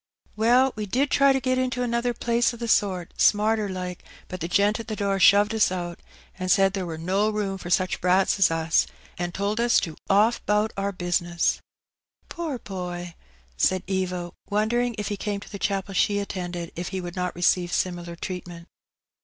" Well, we did try to get into another place o' the sort, smarter like, but the gent at the door shoved us out, an' said there wur no room for such brats as us, an' told us to off 'bout our bizness.'^ *' Poor boy !" said Eva, wondering if he came to the chapel she attended if he would not receive similar treatment.